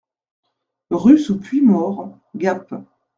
Rue sous Puymaure, Gap